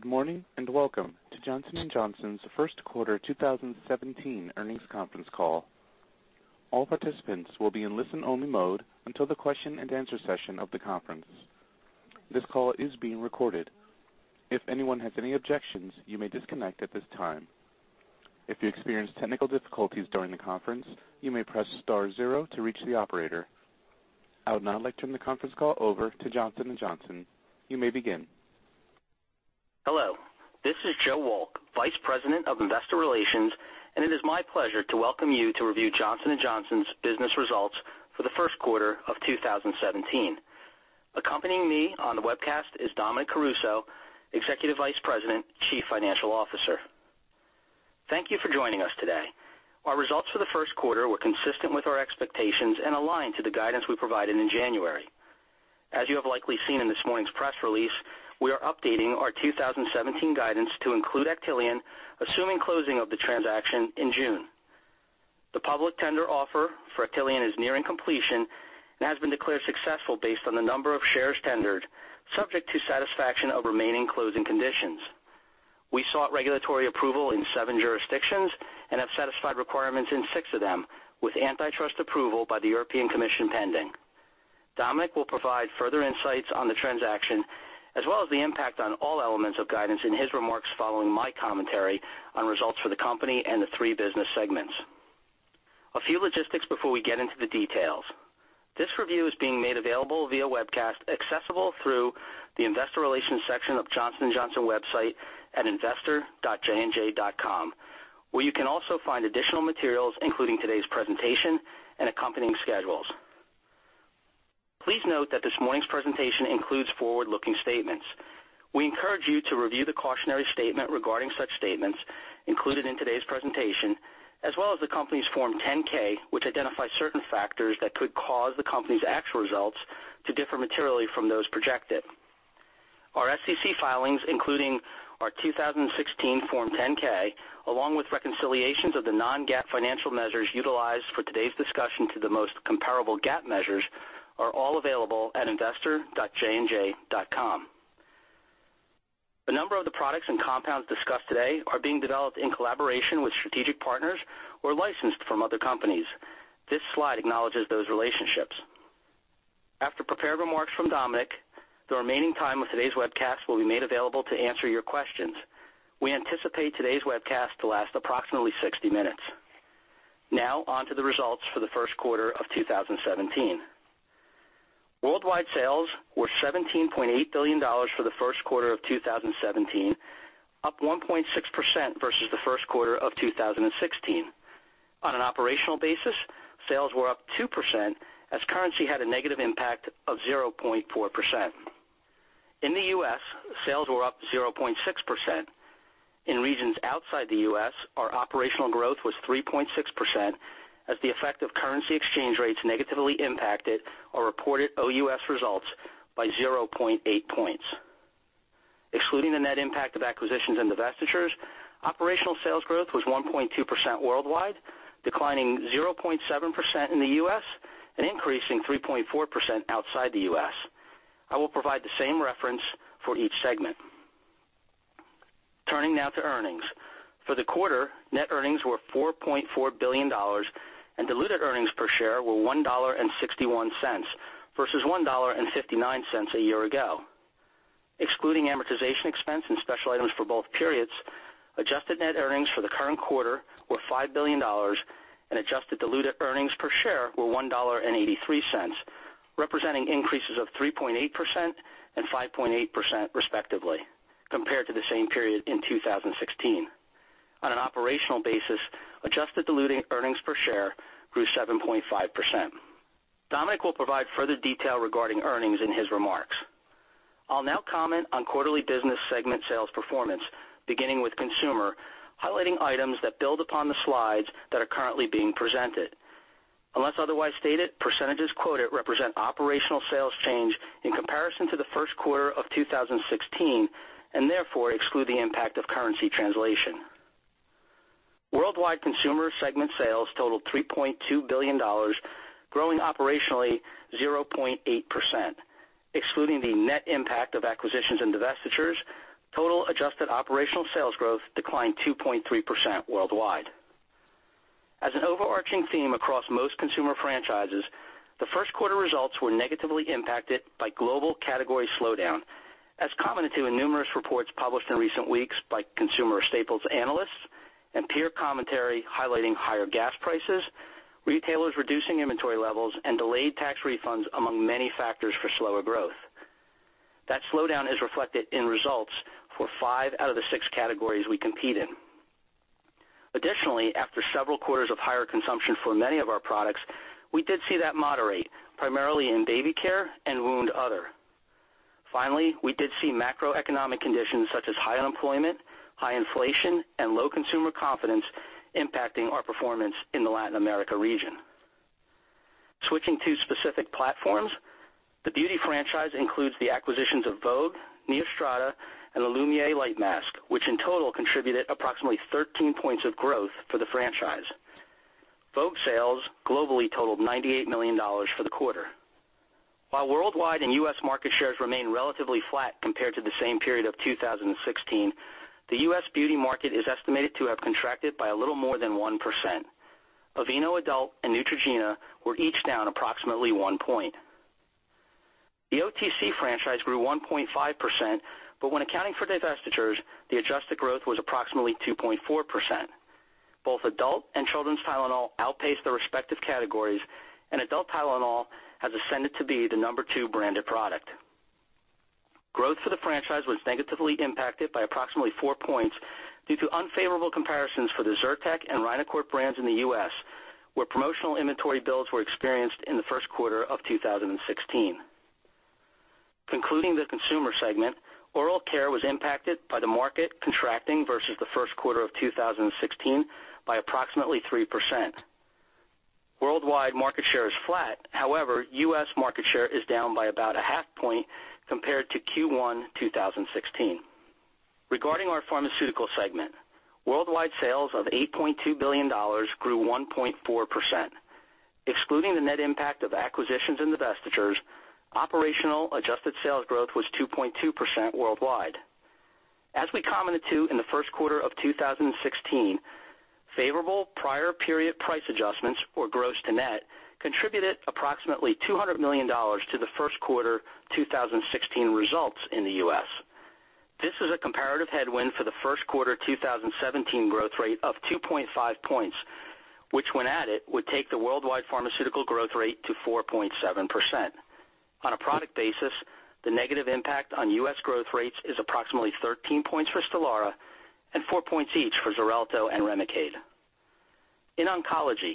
Good morning, and welcome to Johnson & Johnson's first quarter 2017 earnings conference call. All participants will be in listen-only mode until the question and answer session of the conference. This call is being recorded. If anyone has any objections, you may disconnect at this time. If you experience technical difficulties during the conference, you may press star zero to reach the operator. I would now like to turn the conference call over to Johnson & Johnson. You may begin. Hello, this is Joe Wolk, Vice President of Investor Relations, and it is my pleasure to welcome you to review Johnson & Johnson's business results for the first quarter of 2017. Accompanying me on the webcast is Dominic Caruso, Executive Vice President, Chief Financial Officer. Thank you for joining us today. Our results for the first quarter were consistent with our expectations and aligned to the guidance we provided in January. As you have likely seen in this morning's press release, we are updating our 2017 guidance to include Actelion, assuming closing of the transaction in June. The public tender offer for Actelion is nearing completion and has been declared successful based on the number of shares tendered, subject to satisfaction of remaining closing conditions. We sought regulatory approval in seven jurisdictions and have satisfied requirements in six of them, with antitrust approval by the European Commission pending. Dominic will provide further insights on the transaction, as well as the impact on all elements of guidance in his remarks following my commentary on results for the company and the three business segments. A few logistics before we get into the details. This review is being made available via webcast, accessible through the investor relations section of Johnson & Johnson website at investor.jnj.com, where you can also find additional materials, including today's presentation and accompanying schedules. Please note that this morning's presentation includes forward-looking statements. We encourage you to review the cautionary statement regarding such statements included in today's presentation, as well as the company's Form 10-K, which identifies certain factors that could cause the company's actual results to differ materially from those projected. Our SEC filings, including our 2016 Form 10-K, along with reconciliations of the non-GAAP financial measures utilized for today's discussion to the most comparable GAAP measures, are all available at investor.jnj.com. A number of the products and compounds discussed today are being developed in collaboration with strategic partners or licensed from other companies. This slide acknowledges those relationships. After prepared remarks from Dominic, the remaining time with today's webcast will be made available to answer your questions. We anticipate today's webcast to last approximately 60 minutes. Now on to the results for the first quarter of 2017. Worldwide sales were $17.8 billion for the first quarter of 2017, up 1.6% versus the first quarter of 2016. On an operational basis, sales were up 2% as currency had a negative impact of 0.4%. In the U.S., sales were up 0.6%. In regions outside the U.S., our operational growth was 3.6% as the effect of currency exchange rates negatively impacted our reported OUS results by 0.8 points. Excluding the net impact of acquisitions and divestitures, operational sales growth was 1.2% worldwide, declining 0.7% in the U.S. and increasing 3.4% outside the U.S. I will provide the same reference for each segment. Turning now to earnings. For the quarter, net earnings were $4.4 billion and diluted earnings per share were $1.61 versus $1.59 a year ago. Excluding amortization expense and special items for both periods, adjusted net earnings for the current quarter were $5 billion and adjusted diluted earnings per share were $1.83, representing increases of 3.8% and 5.8% respectively compared to the same period in 2016. On an operational basis, adjusted diluted earnings per share grew 7.5%. Dominic will provide further detail regarding earnings in his remarks. I'll now comment on quarterly business segment sales performance, beginning with Consumer, highlighting items that build upon the slides that are currently being presented. Unless otherwise stated, percentages quoted represent operational sales change in comparison to the first quarter of 2016, and therefore exclude the impact of currency translation. Worldwide Consumer segment sales totaled $3.2 billion, growing operationally 0.8%. Excluding the net impact of acquisitions and divestitures, total adjusted operational sales growth declined 2.3% worldwide. As an overarching theme across most Consumer franchises, the first quarter results were negatively impacted by global category slowdown. As commented to in numerous reports published in recent weeks by consumer staples analysts and peer commentary highlighting higher gas prices, retailers reducing inventory levels and delayed tax refunds among many factors for slower growth. That slowdown is reflected in results for 5 out of the 6 categories we compete in. Additionally, after several quarters of higher consumption for many of our products, we did see that moderate, primarily in baby care and wound care. Finally, we did see macroeconomic conditions such as high unemployment, high inflation, and low consumer confidence impacting our performance in the Latin America region. Switching to specific platforms, the beauty franchise includes the acquisitions of Vogue, NeoStrata, and the Lumière Light Mask, which in total contributed approximately 13 points of growth for the franchise. Vogue sales globally totaled $98 million for the quarter. While worldwide and U.S. market shares remain relatively flat compared to the same period of 2016, the U.S. beauty market is estimated to have contracted by a little more than 1%. Aveeno Adult and Neutrogena were each down approximately one point. The OTC franchise grew 1.5%, but when accounting for divestitures, the adjusted growth was approximately 2.4%. Both Adult and Children's TYLENOL outpaced their respective categories, and Adult TYLENOL has ascended to be the number 2 branded product. Growth for the franchise was negatively impacted by approximately four points due to unfavorable comparisons for the ZYRTEC and Rhinocort brands in the U.S., where promotional inventory builds were experienced in the first quarter of 2016. Concluding the Consumer segment, oral care was impacted by the market contracting versus the first quarter of 2016 by approximately 3%. Worldwide market share is flat. However, U.S. market share is down by about a half point compared to Q1 2016. Regarding our Pharmaceutical segment, worldwide sales of $8.2 billion grew 1.4%. Excluding the net impact of acquisitions and divestitures, operational adjusted sales growth was 2.2% worldwide. As we commented to in the first quarter of 2016, favorable prior period price adjustments or gross to net contributed approximately $200 million to the first quarter 2016 results in the U.S. This is a comparative headwind for the first quarter 2017 growth rate of 2.5 points, which when added, would take the worldwide pharmaceutical growth rate to 4.7%. On a product basis, the negative impact on U.S. growth rates is approximately 13 points for STELARA and 4 points each for XARELTO and REMICADE. In oncology,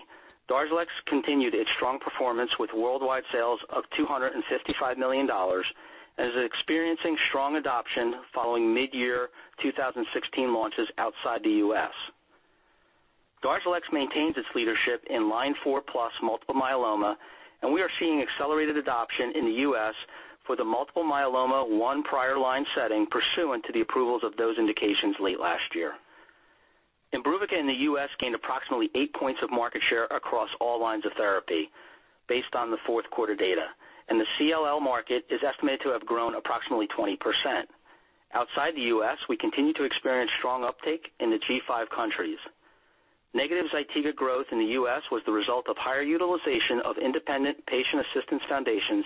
DARZALEX continued its strong performance with worldwide sales of $255 million and is experiencing strong adoption following mid-year 2016 launches outside the U.S. DARZALEX maintains its leadership in line 4 plus multiple myeloma, and we are seeing accelerated adoption in the U.S. for the multiple myeloma 1 prior line setting pursuant to the approvals of those indications late last year. IMBRUVICA in the U.S. gained approximately eight points of market share across all lines of therapy based on the fourth quarter data, and the CLL market is estimated to have grown approximately 20%. Outside the U.S., we continue to experience strong uptake in the G5 countries. Negative ZYTIGA growth in the U.S. was the result of higher utilization of independent patient assistance foundations,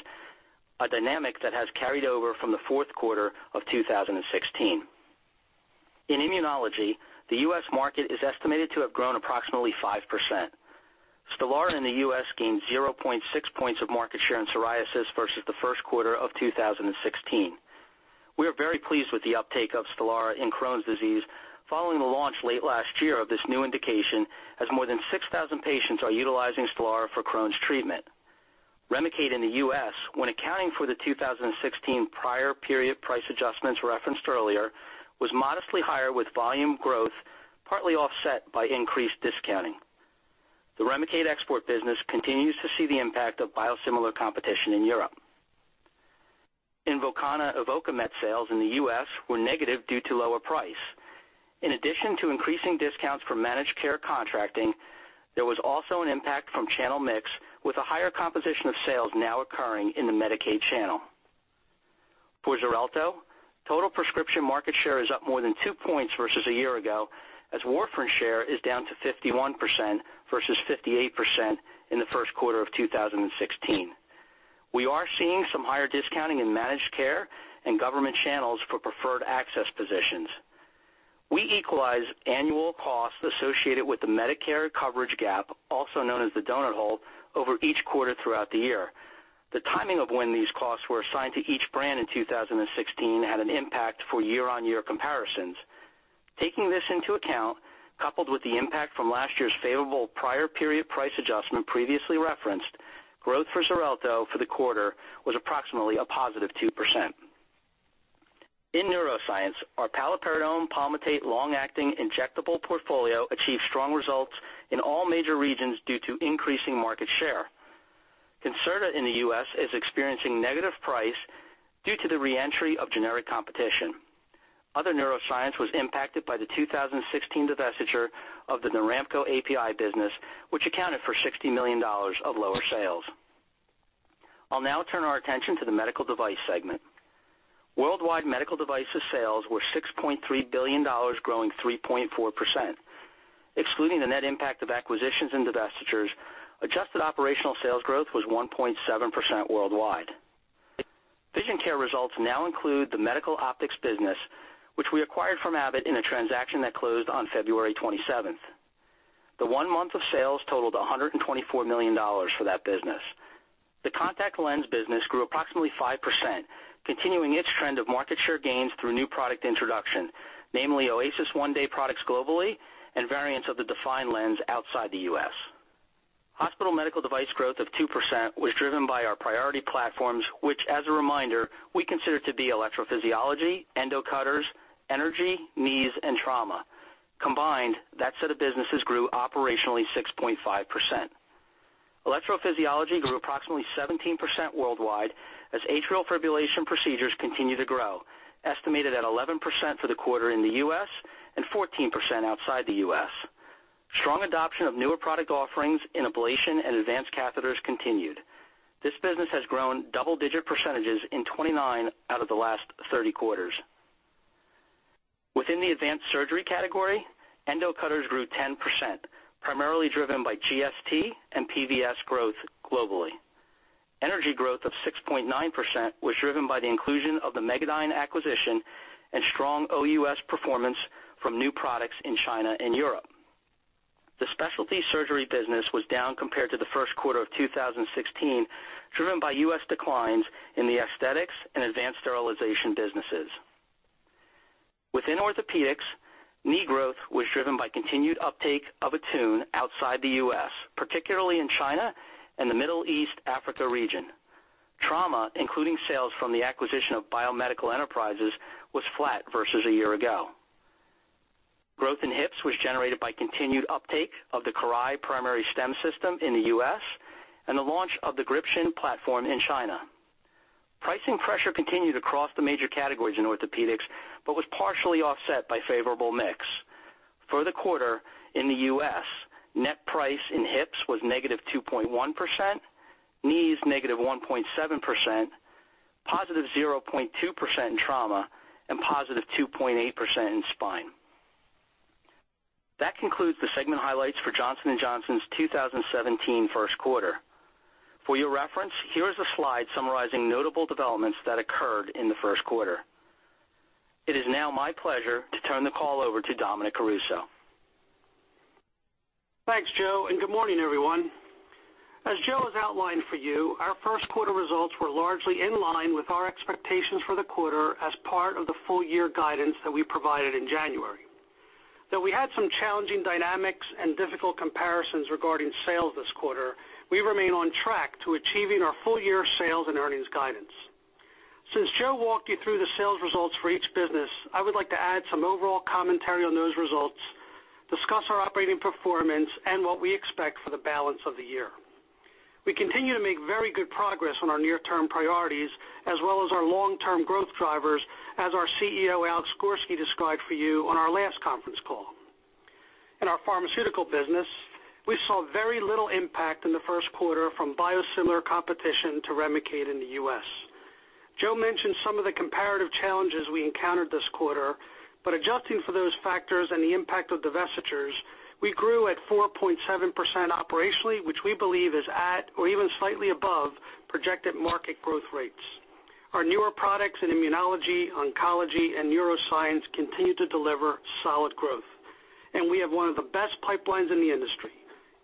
a dynamic that has carried over from the fourth quarter of 2016. In immunology, the U.S. market is estimated to have grown approximately 5%. STELARA in the U.S. gained 0.6 points of market share in psoriasis versus the first quarter of 2016. We are very pleased with the uptake of STELARA in Crohn's disease following the launch late last year of this new indication, as more than 6,000 patients are utilizing STELARA for Crohn's treatment. REMICADE in the U.S., when accounting for the 2016 prior period price adjustments referenced earlier, was modestly higher with volume growth, partly offset by increased discounting. The REMICADE export business continues to see the impact of biosimilar competition in Europe. INVOKANA/INVOKAMET sales in the U.S. were negative due to lower price. In addition to increasing discounts for managed care contracting, there was also an impact from channel mix with a higher composition of sales now occurring in the Medicaid channel. For XARELTO, total prescription market share is up more than two points versus a year ago, as warfarin share is down to 51% versus 58% in the first quarter of 2016. We are seeing some higher discounting in managed care and government channels for preferred access positions. We equalize annual costs associated with the Medicare coverage gap, also known as the donut hole, over each quarter throughout the year. The timing of when these costs were assigned to each brand in 2016 had an impact for year-on-year comparisons. Taking this into account, coupled with the impact from last year's favorable prior period price adjustment previously referenced, growth for XARELTO for the quarter was approximately a positive 2%. In neuroscience, our paliperidone palmitate long-acting injectable portfolio achieved strong results in all major regions due to increasing market share. CONCERTA in the U.S. is experiencing negative price due to the re-entry of generic competition. Other neuroscience was impacted by the 2016 divestiture of the Noramco API business, which accounted for $60 million of lower sales. I'll now turn our attention to the medical device segment. Worldwide medical devices sales were $6.3 billion, growing 3.4%. Excluding the net impact of acquisitions and divestitures, adjusted operational sales growth was 1.7% worldwide. Vision care results now include the medical optics business, which we acquired from Abbott in a transaction that closed on February 27th. The one month of sales totaled $124 million for that business. The contact lens business grew approximately 5%, continuing its trend of market share gains through new product introduction, namely ACUVUE OASYS one-day products globally and variants of the ACUVUE DEFINE lens outside the U.S. Hospital medical device growth of 2% was driven by our priority platforms, which as a reminder, we consider to be electrophysiology, endo cutters, energy, knees, and trauma. Combined, that set of businesses grew operationally 6.5%. Electrophysiology grew approximately 17% worldwide as atrial fibrillation procedures continue to grow, estimated at 11% for the quarter in the U.S. and 14% outside the U.S. Strong adoption of newer product offerings in ablation and advanced catheters continued. This business has grown double-digit percentages in 29 out of the last 30 quarters. Within the advanced surgery category, endo cutters grew 10%, primarily driven by GST and PVS growth globally. Energy growth of 6.9% was driven by the inclusion of the Megadyne acquisition and strong OUS performance from new products in China and Europe. The specialty surgery business was down compared to the first quarter of 2016, driven by U.S. declines in the aesthetics and advanced sterilization businesses. Within orthopedics, knee growth was driven by continued uptake of ATTUNE outside the U.S., particularly in China and the Middle East/Africa region. Trauma, including sales from the acquisition of Biomedical Enterprises, was flat versus a year ago. Growth in hips was generated by continued uptake of the CORAIL Primary Stem system in the U.S. and the launch of the GRIPTION platform in China. Pricing pressure continued across the major categories in orthopedics but was partially offset by favorable mix. For the quarter in the U.S., net price in hips was negative 2.1%, knees negative 1.7%, positive 0.2% in trauma, and positive 2.8% in spine. That concludes the segment highlights for Johnson & Johnson's 2017 first quarter. For your reference, here is a slide summarizing notable developments that occurred in the first quarter. It is now my pleasure to turn the call over to Dominic Caruso. Thanks, Joe. Good morning, everyone. As Joe has outlined for you, our first quarter results were largely in line with our expectations for the quarter as part of the full year guidance that we provided in January. Though we had some challenging dynamics and difficult comparisons regarding sales this quarter, we remain on track to achieving our full year sales and earnings guidance. Since Joe walked you through the sales results for each business, I would like to add some overall commentary on those results, discuss our operating performance, and what we expect for the balance of the year. We continue to make very good progress on our near-term priorities as well as our long-term growth drivers, as our CEO, Alex Gorsky, described for you on our last conference call. In our pharmaceutical business, we saw very little impact in the first quarter from biosimilar competition to REMICADE in the U.S. Joe mentioned some of the comparative challenges we encountered this quarter. Adjusting for those factors and the impact of divestitures, we grew at 4.7% operationally, which we believe is at or even slightly above projected market growth rates. Our newer products in immunology, oncology, and neuroscience continue to deliver solid growth. We have one of the best pipelines in the industry.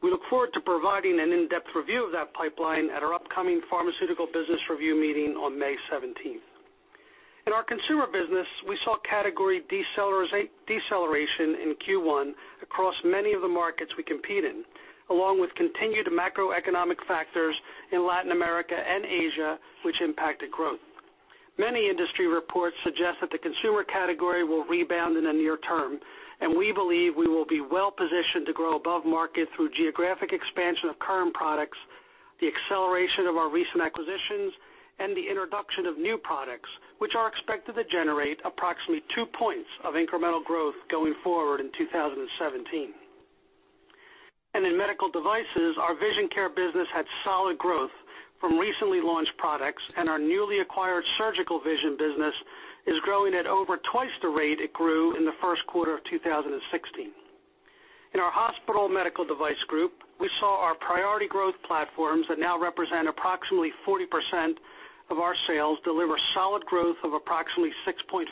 We look forward to providing an in-depth review of that pipeline at our upcoming pharmaceutical business review meeting on May 17th. In our consumer business, we saw category deceleration in Q1 across many of the markets we compete in, along with continued macroeconomic factors in Latin America and Asia, which impacted growth. Many industry reports suggest that the consumer category will rebound in the near term. We believe we will be well positioned to grow above market through geographic expansion of current products, the acceleration of our recent acquisitions, and the introduction of new products, which are expected to generate approximately two points of incremental growth going forward in 2017. In medical devices, our vision care business had solid growth from recently launched products, and our newly acquired surgical vision business is growing at over twice the rate it grew in the first quarter of 2016. In our hospital medical device group, we saw our priority growth platforms that now represent approximately 40% of our sales deliver solid growth of approximately 6.5%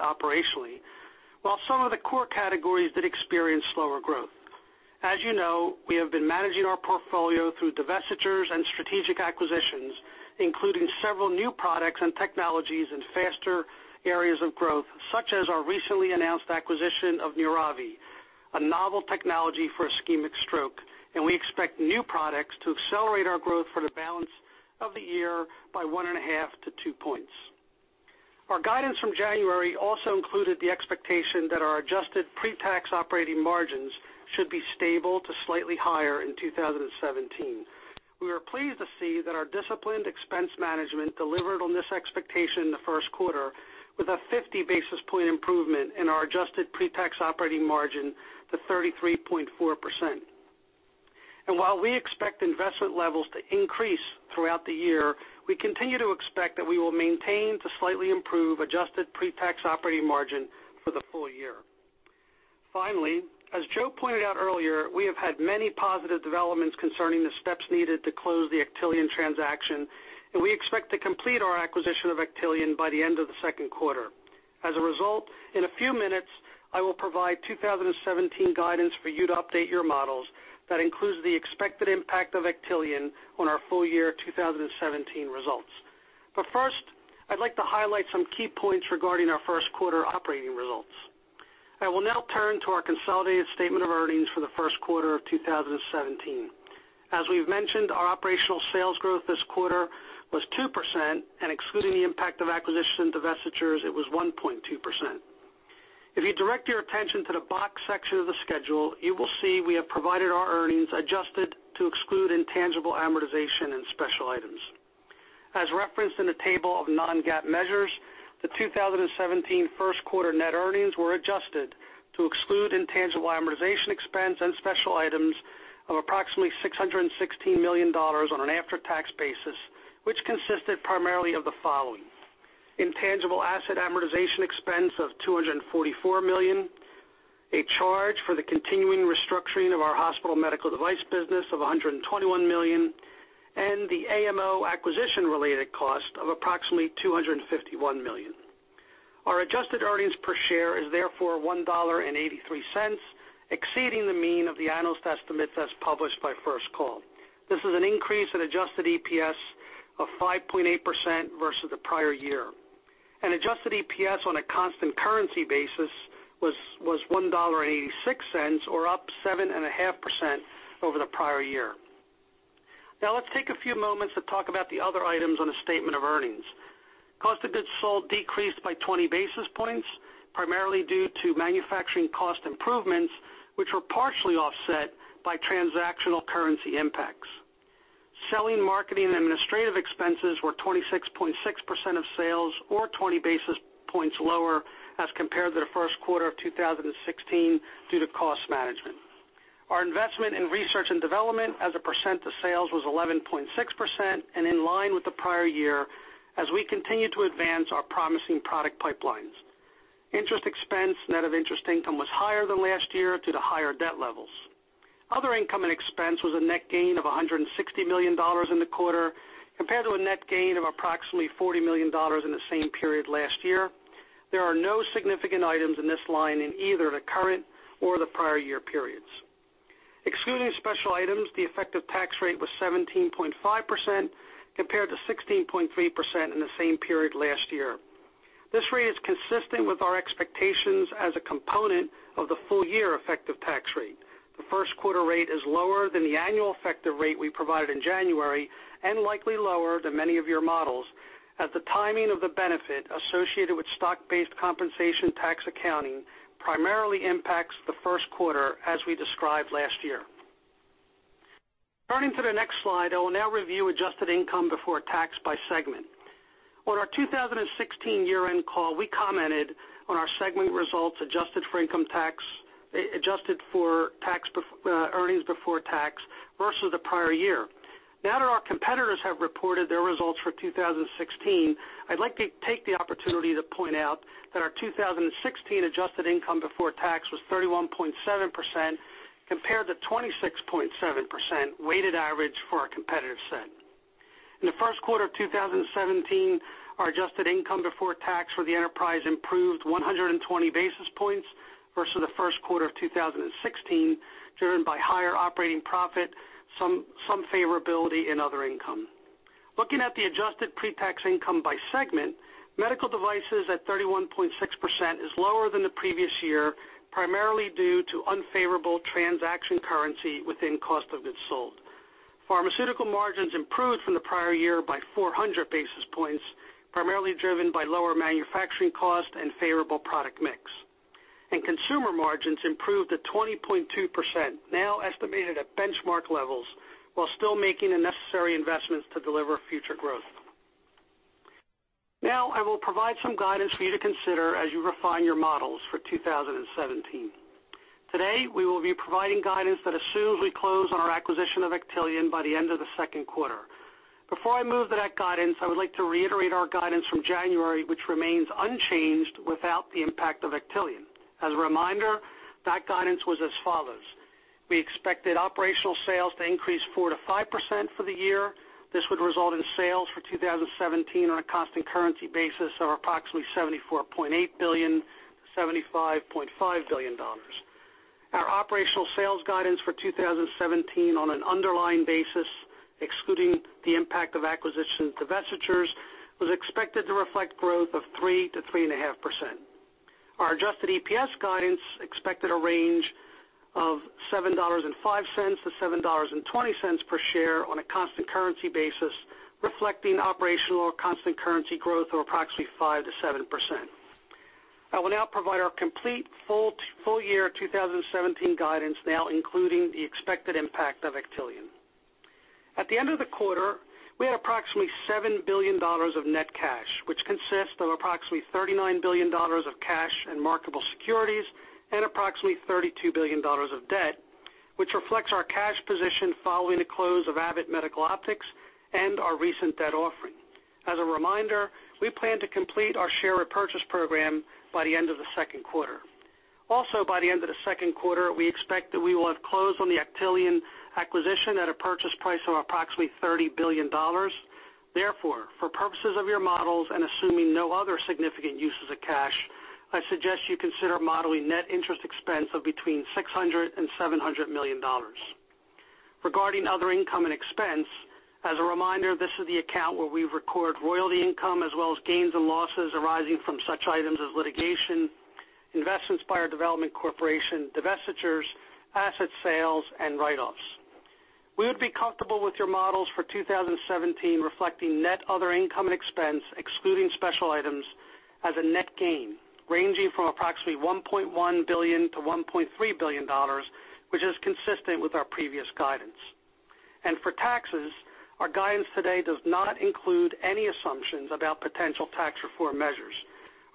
operationally, while some of the core categories did experience slower growth. As you know, we have been managing our portfolio through divestitures and strategic acquisitions, including several new products and technologies in faster areas of growth, such as our recently announced acquisition of Neuravi, a novel technology for ischemic stroke. We expect new products to accelerate our growth for the balance of the year by one and a half to two points. Our guidance from January also included the expectation that our adjusted pre-tax operating margins should be stable to slightly higher in 2017. We are pleased to see that our disciplined expense management delivered on this expectation in the first quarter with a 50 basis point improvement in our adjusted pre-tax operating margin to 33.4%. While we expect investment levels to increase throughout the year, we continue to expect that we will maintain to slightly improve adjusted pre-tax operating margin for the full year. Finally, as Joe pointed out earlier, we have had many positive developments concerning the steps needed to close the Actelion transaction. We expect to complete our acquisition of Actelion by the end of the second quarter. As a result, in a few minutes, I will provide 2017 guidance for you to update your models that includes the expected impact of Actelion on our full year 2017 results. First, I'd like to highlight some key points regarding our first quarter operating results. I will now turn to our consolidated statement of earnings for the first quarter of 2017. As we've mentioned, our operational sales growth this quarter was 2%, and excluding the impact of acquisition divestitures, it was 1.2%. If you direct your attention to the box section of the schedule, you will see we have provided our earnings adjusted to exclude intangible amortization and special items. As referenced in the table of non-GAAP measures, the 2017 first quarter net earnings were adjusted to exclude intangible amortization expense and special items of approximately $616 million on an after-tax basis, which consisted primarily of the following: Intangible asset amortization expense of $244 million, a charge for the continuing restructuring of our hospital medical device business of $121 million, and the AMO acquisition-related cost of approximately $251 million. Our adjusted earnings per share is therefore $1.83, exceeding the mean of the analyst estimates as published by First Call. This is an increase in adjusted EPS of 5.8% versus the prior year. Adjusted EPS on a constant currency basis was $1.86, or up 7.5% over the prior year. Now let's take a few moments to talk about the other items on the statement of earnings. Cost of goods sold decreased by 20 basis points, primarily due to manufacturing cost improvements, which were partially offset by transactional currency impacts. Selling, marketing, and administrative expenses were 26.6% of sales or 20 basis points lower as compared to the first quarter of 2016 due to cost management. Our investment in research and development as a percent of sales was 11.6% and in line with the prior year as we continue to advance our promising product pipelines. Interest expense, net of interest income, was higher than last year due to higher debt levels. Other income and expense was a net gain of $160 million in the quarter, compared to a net gain of approximately $40 million in the same period last year. There are no significant items in this line in either the current or the prior year periods. Excluding special items, the effective tax rate was 17.5%, compared to 16.3% in the same period last year. This rate is consistent with our expectations as a component of the full year effective tax rate. The first quarter rate is lower than the annual effective rate we provided in January and likely lower than many of your models, as the timing of the benefit associated with stock-based compensation tax accounting primarily impacts the first quarter as we described last year. Turning to the next slide, I will now review adjusted income before tax by segment. On our 2016 year-end call, we commented on our segment results adjusted for earnings before tax versus the prior year. Now that our competitors have reported their results for 2016, I'd like to take the opportunity to point out that our 2016 adjusted income before tax was 31.7%, compared to 26.7% weighted average for our competitor set. In the first quarter of 2017, our adjusted income before tax for the enterprise improved 120 basis points versus the first quarter of 2016, driven by higher operating profit, some favorability in other income. Looking at the adjusted pre-tax income by segment, medical devices at 31.6% is lower than the previous year, primarily due to unfavorable transaction currency within cost of goods sold. Pharmaceutical margins improved from the prior year by 400 basis points, primarily driven by lower manufacturing cost and favorable product mix. Consumer margins improved at 20.2%, now estimated at benchmark levels, while still making the necessary investments to deliver future growth. Now, I will provide some guidance for you to consider as you refine your models for 2017. Today, we will be providing guidance that assumes we close on our acquisition of Actelion by the end of the second quarter. Before I move to that guidance, I would like to reiterate our guidance from January, which remains unchanged without the impact of Actelion. As a reminder, that guidance was as follows. We expected operational sales to increase 4%-5% for the year. This would result in sales for 2017 on a constant currency basis of approximately $74.8 billion-$75.5 billion. Our operational sales guidance for 2017 on an underlying basis, excluding the impact of acquisition divestitures, was expected to reflect growth of 3%-3.5%. Our adjusted EPS guidance expected a range of $7.05-$7.20 per share on a constant currency basis, reflecting operational or constant currency growth of approximately 5%-7%. I will now provide our complete full year 2017 guidance, now including the expected impact of Actelion. At the end of the quarter, we had approximately $7 billion of net cash, which consists of approximately $39 billion of cash and marketable securities and approximately $32 billion of debt, which reflects our cash position following the close of Abbott Medical Optics and our recent debt offering. As a reminder, we plan to complete our share repurchase program by the end of the second quarter. Also, by the end of the second quarter, we expect that we will have closed on the Actelion acquisition at a purchase price of approximately $30 billion. Therefore, for purposes of your models and assuming no other significant uses of cash, I suggest you consider modeling net interest expense of between $600 million and $700 million. Regarding other income and expense, as a reminder, this is the account where we record royalty income as well as gains and losses arising from such items as litigation, investments by our development corporation, divestitures, asset sales, and write-offs. We would be comfortable with your models for 2017 reflecting net other income and expense, excluding special items as a net gain, ranging from approximately $1.1 billion-$1.3 billion, which is consistent with our previous guidance. For taxes, our guidance today does not include any assumptions about potential tax reform measures.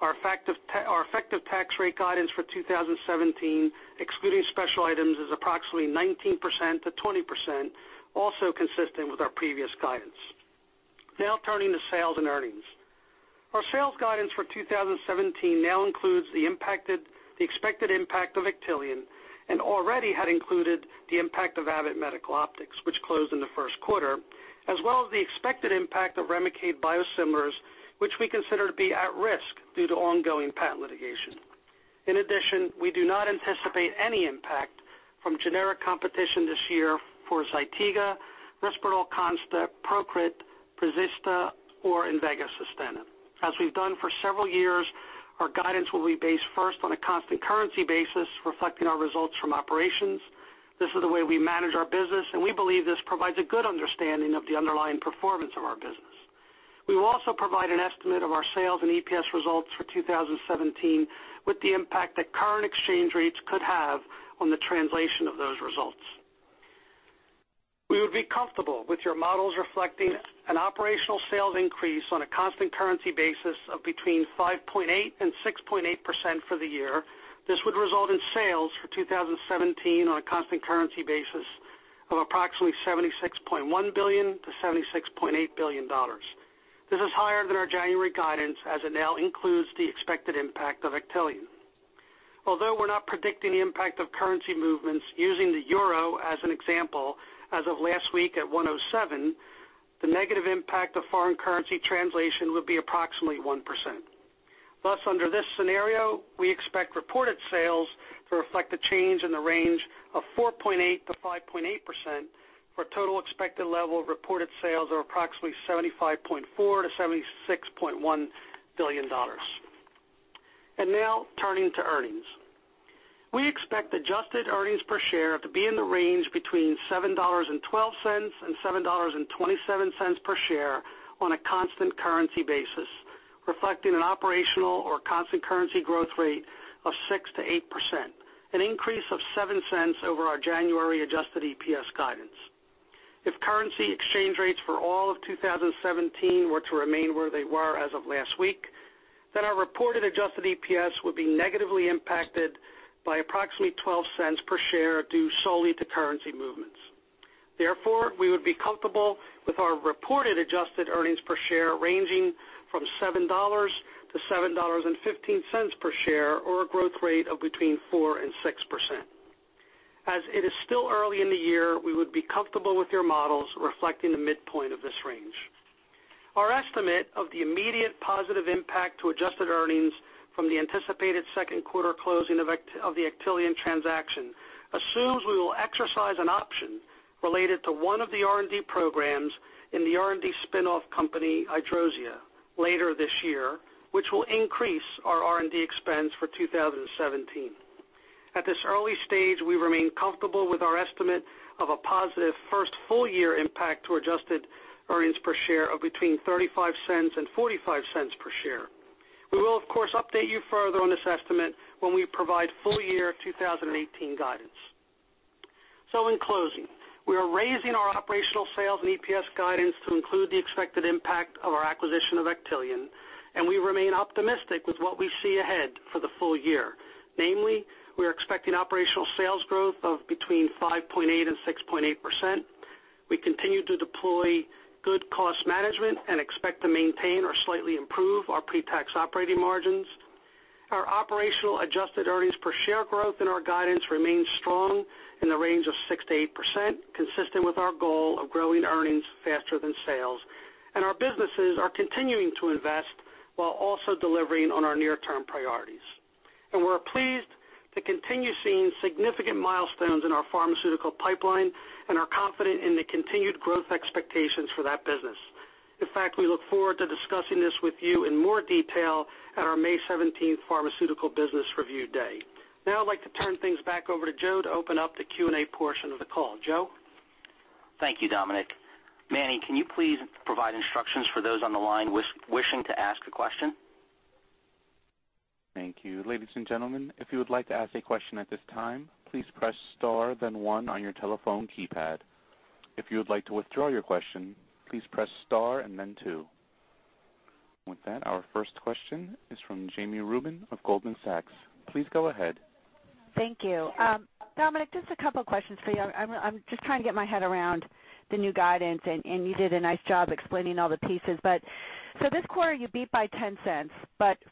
Our effective tax rate guidance for 2017, excluding special items, is approximately 19%-20%, also consistent with our previous guidance. Turning to sales and earnings. Our sales guidance for 2017 now includes the expected impact of Actelion, and already had included the impact of Abbott Medical Optics, which closed in the first quarter, as well as the expected impact of REMICADE biosimilars, which we consider to be at risk due to ongoing patent litigation. In addition, we do not anticipate any impact from generic competition this year for ZYTIGA, RISPERDAL CONSTA, PROCRIT, PREZISTA, or INVEGA SUSTENNA. As we've done for several years, our guidance will be based first on a constant currency basis reflecting our results from operations. This is the way we manage our business, and we believe this provides a good understanding of the underlying performance of our business. We will also provide an estimate of our sales and EPS results for 2017 with the impact that current exchange rates could have on the translation of those results. We would be comfortable with your models reflecting an operational sales increase on a constant currency basis of between 5.8% and 6.8% for the year. This would result in sales for 2017 on a constant currency basis of approximately $76.1 billion to $76.8 billion. This is higher than our January guidance, as it now includes the expected impact of Actelion. Although we're not predicting the impact of currency movements, using the euro as an example, as of last week at 107, the negative impact of foreign currency translation would be approximately 1%. Thus, under this scenario, we expect reported sales to reflect a change in the range of 4.8% to 5.8%, for a total expected level of reported sales of approximately $75.4 billion-$76.1 billion. Now turning to earnings. We expect adjusted earnings per share to be in the range between $7.12 and $7.27 per share on a constant currency basis, reflecting an operational or constant currency growth rate of 6% to 8%, an increase of $0.07 over our January adjusted EPS guidance. If currency exchange rates for all of 2017 were to remain where they were as of last week, then our reported adjusted EPS would be negatively impacted by approximately $0.12 per share due solely to currency movements. Therefore, we would be comfortable with our reported adjusted earnings per share ranging from $7-$7.15 per share, or a growth rate of between 4% and 6%. As it is still early in the year, we would be comfortable with your models reflecting the midpoint of this range. Our estimate of the immediate positive impact to adjusted earnings from the anticipated second quarter closing of the Actelion transaction assumes we will exercise an option related to one of the R&D programs in the R&D spinoff company, Idorsia, later this year, which will increase our R&D expense for 2017. At this early stage, we remain comfortable with our estimate of a positive first full year impact to adjusted earnings per share of between $0.35 and $0.45 per share. We will, of course, update you further on this estimate when we provide full year 2018 guidance. In closing, we are raising our operational sales and EPS guidance to include the expected impact of our acquisition of Actelion, and we remain optimistic with what we see ahead for the full year. Namely, we are expecting operational sales growth of between 5.8% and 6.8%. We continue to deploy good cost management and expect to maintain or slightly improve our pre-tax operating margins. Our operational adjusted earnings per share growth in our guidance remains strong in the range of 6% to 8%, consistent with our goal of growing earnings faster than sales. Our businesses are continuing to invest while also delivering on our near-term priorities. We're pleased to continue seeing significant milestones in our pharmaceutical pipeline and are confident in the continued growth expectations for that business. In fact, we look forward to discussing this with you in more detail at our May 17th pharmaceutical business review day. Now I'd like to turn things back over to Joe to open up the Q&A portion of the call. Joe? Thank you, Dominic. Manny, can you please provide instructions for those on the line wishing to ask a question? Thank you. Ladies and gentlemen, if you would like to ask a question at this time, please press star then one on your telephone keypad. If you would like to withdraw your question, please press star and then two. With that, our first question is from Jami Rubin of Goldman Sachs. Please go ahead. Thank you. Dominic, just a couple questions for you. I'm just trying to get my head around the new guidance. You did a nice job explaining all the pieces. This quarter you beat by $0.10,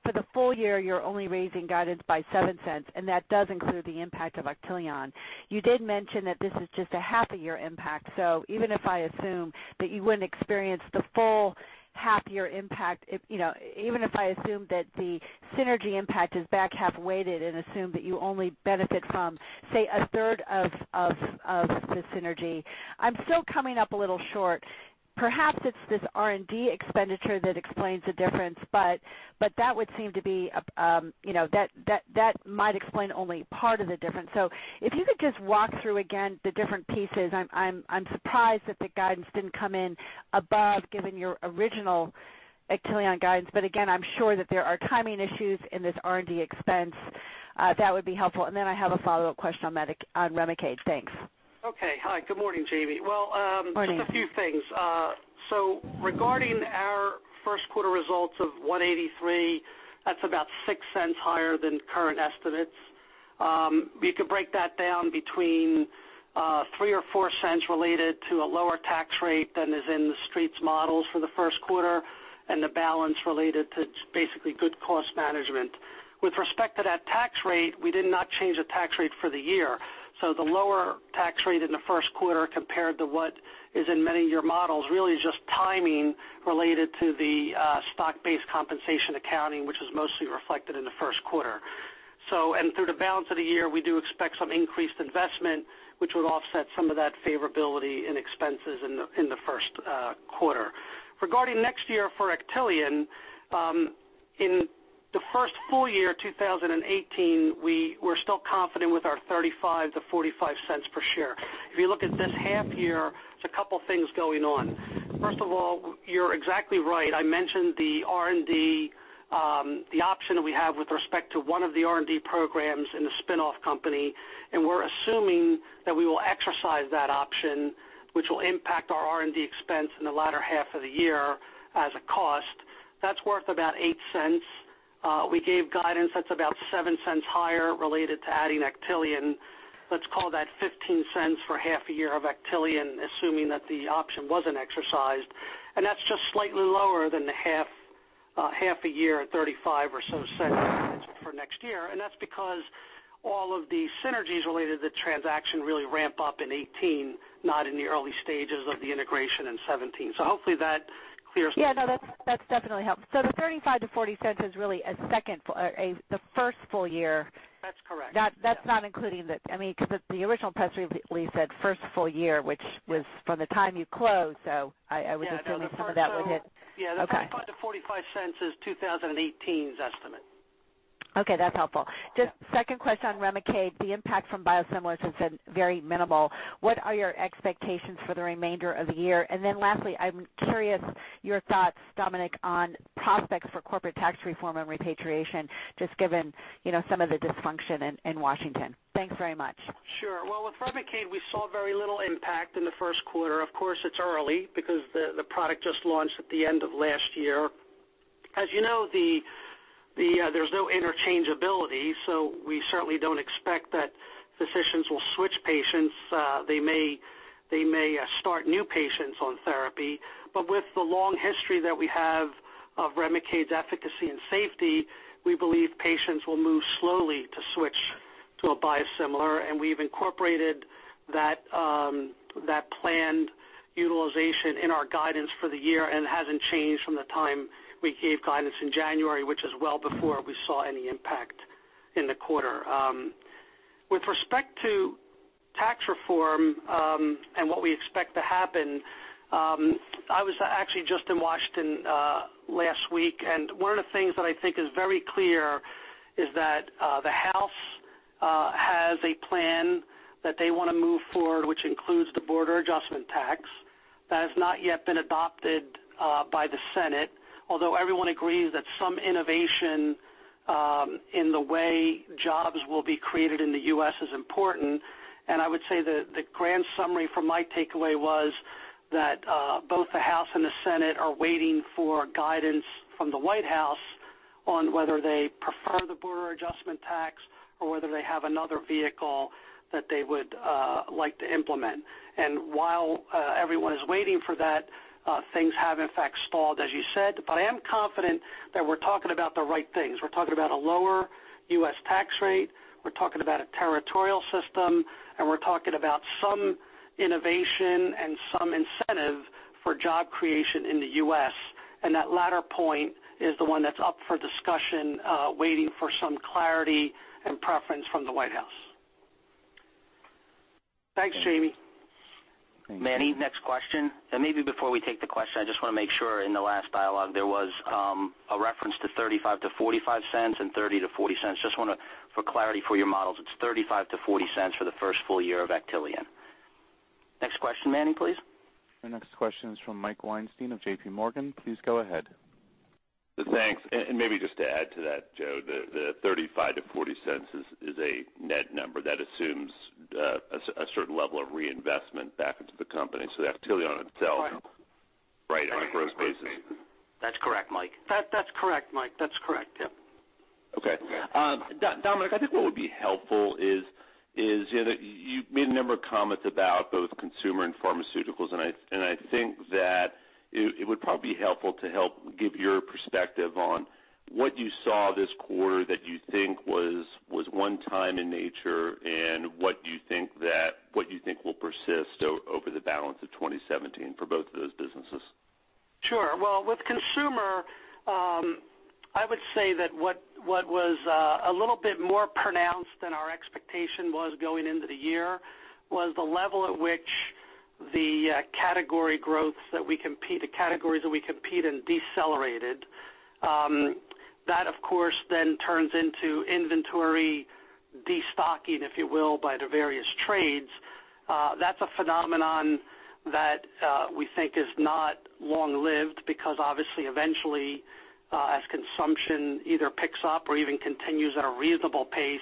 for the full year you're only raising guidance by $0.07, and that does include the impact of Actelion. You did mention that this is just a half a year impact, so even if I assume that you wouldn't experience the full half year impact, even if I assume that the synergy impact is back half weighted and assume that you only benefit from, say, a third of the synergy, I'm still coming up a little short. Perhaps it's this R&D expenditure that explains the difference, but that might explain only part of the difference. If you could just walk through again the different pieces. I'm surprised that the guidance didn't come in above, given your original Actelion guidance. Again, I'm sure that there are timing issues in this R&D expense. That would be helpful. I have a follow-up question on REMICADE. Thanks. Okay. Hi, good morning, Jami. Morning. Just a few things. Regarding our first quarter results of $1.83, that's about $0.06 higher than current estimates. You could break that down between $0.03 or $0.04 related to a lower tax rate than is in The Street's models for the first quarter, and the balance related to basically good cost management. With respect to that tax rate, we did not change the tax rate for the year. The lower tax rate in the first quarter compared to what is in many of your models, really is just timing related to the stock-based compensation accounting, which is mostly reflected in the first quarter. Through the balance of the year, we do expect some increased investment, which would offset some of that favorability in expenses in the first quarter. Regarding next year for Actelion, in the first full year, 2018, we're still confident with our $0.35 to $0.45 per share. If you look at this half year, there's a couple of things going on. First of all, you're exactly right. I mentioned the R&D, the option that we have with respect to one of the R&D programs in the spinoff company, we're assuming that we will exercise that option, which will impact our R&D expense in the latter half of the year as a cost. That's worth about $0.08. We gave guidance that's about $0.07 higher related to adding Actelion. Let's call that $0.15 for half a year of Actelion, assuming that the option wasn't exercised, that's just slightly lower than the half a year at $0.35 or so for next year, that's because all of the synergies related to the transaction really ramp up in 2018, not in the early stages of the integration in 2017. Hopefully that clears. that definitely helps. The $0.35-$0.40 is really the first full year. That's correct. That's not including. The original press release said first full year, which was from the time you closed. I would just assume some of that was it. Yeah. The $0.35-$0.45 is 2018's estimate. Okay, that's helpful. Just second question on REMICADE, the impact from biosimilars has been very minimal. What are your expectations for the remainder of the year? Lastly, I'm curious your thoughts, Dominic, on prospects for corporate tax reform and repatriation, just given some of the dysfunction in Washington. Thanks very much. Sure. Well, with REMICADE, we saw very little impact in the first quarter. Of course, it's early because the product just launched at the end of last year. As you know, there's no interchangeability, we certainly don't expect that physicians will switch patients. They may start new patients on therapy. With the long history that we have of REMICADE's efficacy and safety, we believe patients will move slowly to switch to a biosimilar, and we've incorporated that planned utilization in our guidance for the year, and it hasn't changed from the time we gave guidance in January, which is well before we saw any impact in the quarter. With respect to tax reform, what we expect to happen, I was actually just in Washington last week, and one of the things that I think is very clear is that the House has a plan that they want to move forward, which includes the border adjustment tax that has not yet been adopted by the Senate. Everyone agrees that some innovation in the way jobs will be created in the U.S. is important. I would say the grand summary for my takeaway was that both the House and the Senate are waiting for guidance from the White House on whether they prefer the border adjustment tax or whether they have another vehicle that they would like to implement. While everyone is waiting for that, things have in fact stalled, as you said. I am confident that we're talking about the right things. We're talking about a lower U.S. tax rate, we're talking about a territorial system, and we're talking about some innovation and some incentive for job creation in the U.S. That latter point is the one that's up for discussion, waiting for some clarity and preference from the White House. Thanks, Jami. Manny, next question. Maybe before we take the question, I just want to make sure in the last dialogue, there was a reference to $0.35-$0.45 and $0.30-$0.40. For clarity for your models, it's $0.35-$0.40 for the first full year of Actelion. Next question, Manny, please. Your next question is from Mike Weinstein of JPMorgan. Please go ahead. Thanks. Maybe just to add to that, Joe, the $0.35-$0.40 is a net number that assumes a certain level of reinvestment back into the company. The Actelion itself- Right. Right, on a gross basis. That's correct, Mike. That's correct, Mike. That's correct. Yep. Okay. Dominic, I think what would be helpful is, you've made a number of comments about both consumer and pharmaceuticals, and I think that it would probably be helpful to help give your perspective on what you saw this quarter that you think was one time in nature, and what you think will persist over the balance of 2017 for both of those businesses. Sure. Well, with consumer, I would say that what was a little bit more pronounced than our expectation was going into the year was the level at which the categories that we compete in decelerated. That, of course, then turns into inventory destocking, if you will, by the various trades. That's a phenomenon that we think is not long-lived because obviously eventually, as consumption either picks up or even continues at a reasonable pace,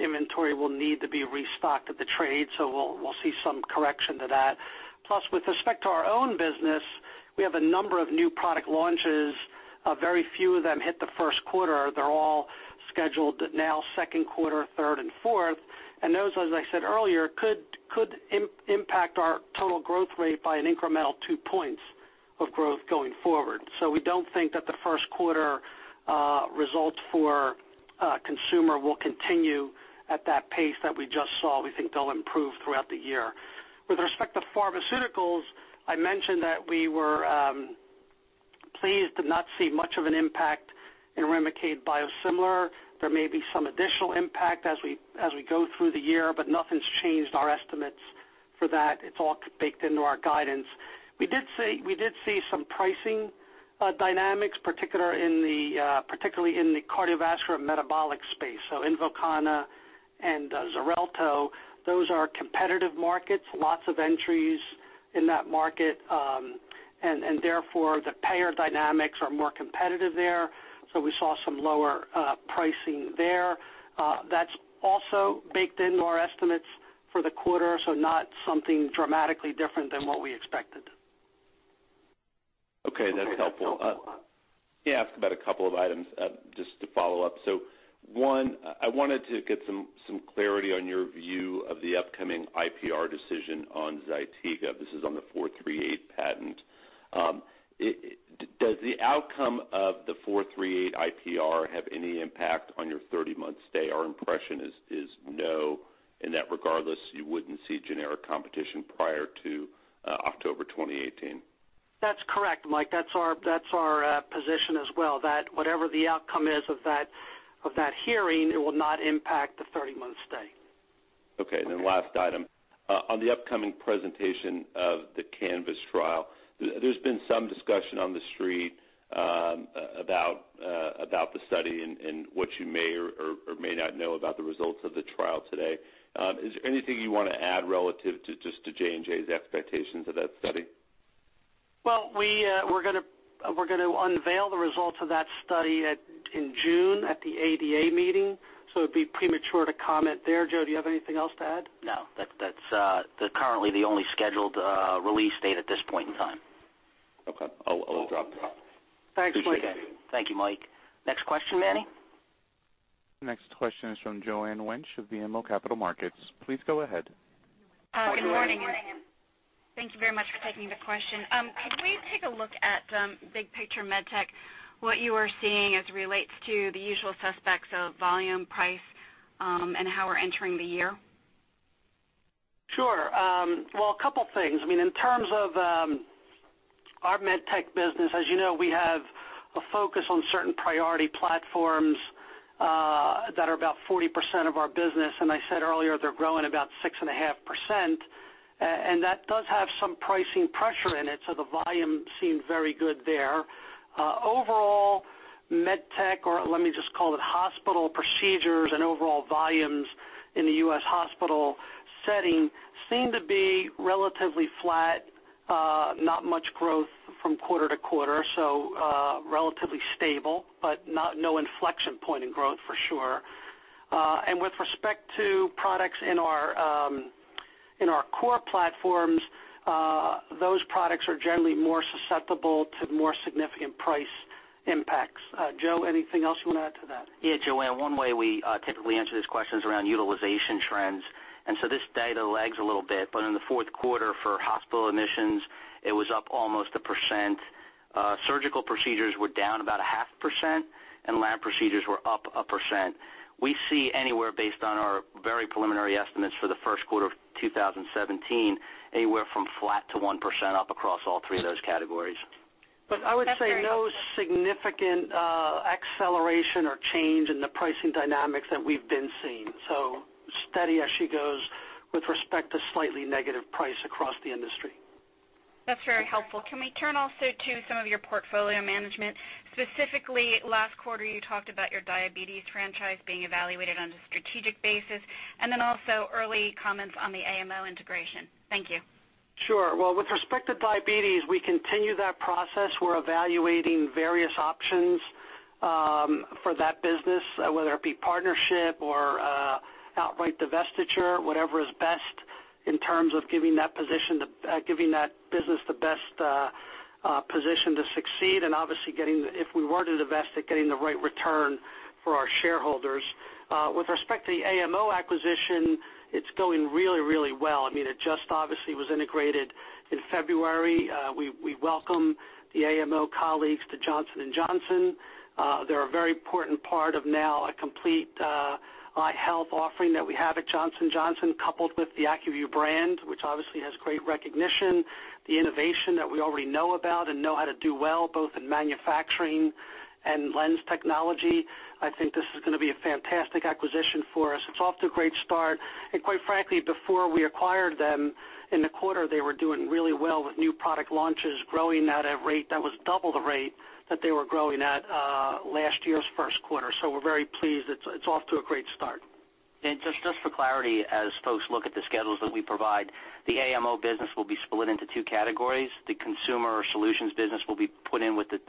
inventory will need to be restocked at the trade. We'll see some correction to that. Plus, with respect to our own business, we have a number of new product launches. Very few of them hit the first quarter. They're all scheduled now second quarter, third, and fourth. Those, as I said earlier, could impact our total growth rate by an incremental two points of growth going forward. We don't think that the first quarter results for consumer will continue at that pace that we just saw. We think they'll improve throughout the year. With respect to pharmaceuticals, I mentioned that we were pleased to not see much of an impact in REMICADE biosimilar. There may be some additional impact as we go through the year, but nothing's changed our estimates for that. It's all baked into our guidance. We did see some pricing dynamics, particularly in the cardiovascular metabolic space. INVOKANA and XARELTO, those are competitive markets, lots of entries in that market. Therefore the payer dynamics are more competitive there. We saw some lower pricing there. That's also baked into our estimates for the quarter, so not something dramatically different than what we expected. Okay. That's helpful. May I ask about a couple of items just to follow up? One, I wanted to get some clarity on your view of the upcoming IPR decision on ZYTIGA. This is on the '438 patent. Does the outcome of the '438 IPR have any impact on your 30-month stay? Our impression is no, in that regardless, you wouldn't see generic competition prior to October 2018. That's correct, Mike. That's our position as well, that whatever the outcome is of that hearing, it will not impact the 30-month stay. Okay. Last item. On the upcoming presentation of the CANVAS trial, there's been some discussion on the street about the study and what you may or may not know about the results of the trial today. Is there anything you want to add relative to just to J&J's expectations of that study? Well, we're going to unveil the results of that study in June at the ADA meeting. It'd be premature to comment there. Joe, do you have anything else to add? No. That's currently the only scheduled release date at this point in time. Okay. I'll drop it off. Thanks, Mike. Thank you, Mike. Next question, Manny? Next question is from Joanne Wuensch of BMO Capital Markets. Please go ahead. Good morning. Thank you very much for taking the question. Could we take a look at big picture MedTech, what you are seeing as it relates to the usual suspects of volume, price, and how we're entering the year? Sure. A couple things. In terms of our MedTech business, as you know, we have a focus on certain priority platforms that are about 40% of our business. I said earlier, they're growing about 6.5%, and that does have some pricing pressure in it, so the volume seemed very good there. Overall MedTech, or let me just call it hospital procedures and overall volumes in the U.S. hospital setting seem to be relatively flat, not much growth from quarter to quarter, so relatively stable, but no inflection point in growth for sure. With respect to products in our core platforms, those products are generally more susceptible to more significant price impacts. Joe, anything else you want to add to that? Joanne, one way we typically answer this question is around utilization trends. This data lags a little bit, but in the fourth quarter for hospital admissions, it was up almost 1%. Surgical procedures were down about 0.5%, and lab procedures were up 1%. We see anywhere based on our very preliminary estimates for the first quarter of 2017, anywhere from flat to 1% up across all three of those categories. I would say no significant acceleration or change in the pricing dynamics that we've been seeing. Steady as she goes with respect to slightly negative price across the industry. That's very helpful. Can we turn also to some of your portfolio management? Specifically, last quarter, you talked about your diabetes franchise being evaluated on a strategic basis, and then also early comments on the AMO integration. Thank you. Sure. With respect to diabetes, we continue that process. We're evaluating various options for that business, whether it be partnership or outright divestiture, whatever is best in terms of giving that business the best position to succeed and obviously, if we were to divest it, getting the right return for our shareholders. With respect to the AMO acquisition, it's going really, really well. It just obviously was integrated in February. We welcome the AMO colleagues to Johnson & Johnson. They're a very important part of now a complete eye health offering that we have at Johnson & Johnson, coupled with the Acuvue brand, which obviously has great recognition, the innovation that we already know about and know how to do well, both in manufacturing and lens technology. I think this is going to be a fantastic acquisition for us. It's off to a great start. Quite frankly, before we acquired them, in the quarter, they were doing really well with new product launches growing at a rate that was double the rate that they were growing at last year's first quarter. We're very pleased. It's off to a great start. Just for clarity, as folks look at the schedules that we provide, the AMO business will be split into two categories. The consumer solutions business will be put in with the